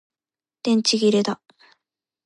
電池切れだ